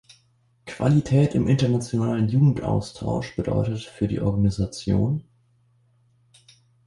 Qualität im internationalen Jugendaustausch bedeutet für die Organisation,